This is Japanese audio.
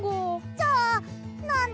じゃあなんで？